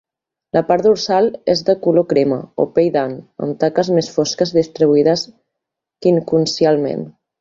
La part dorsal és de color crema o pell d'ant, amb taques més fosques distribuïdes quincuncialment.